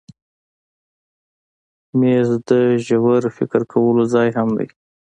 مېز د ژور فکر کولو ځای هم دی.